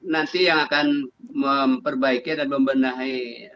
nanti yang akan memperbaiki dan membenahi